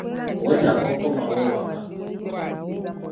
Weetaaga okukomawo ewaka.